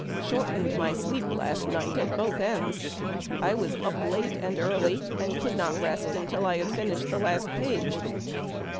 short ened my sleep last night at both ends. I up late and early, and could not rest until I had finished the last page.